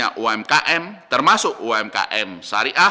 adalah sebuah tni dan formula yang sangat jelas